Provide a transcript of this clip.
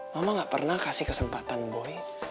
mama gak pernah kasih kesempatan boy